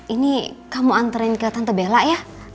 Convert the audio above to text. ini kamu anterin ke tante bela ya